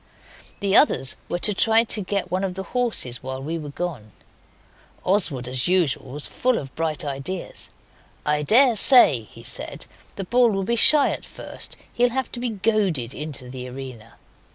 The others were to try to get one of the horses while we were gone. Oswald as usual was full of bright ideas. 'I daresay,' he said, 'the bull will be shy at first, and he'll have to be goaded into the arena.